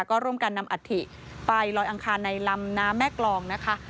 ก็ร่วมกันนำอัฐิไปลอยอังคารในลำน้ำแม่กรองนะคะ